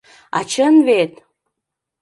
— А чын вет!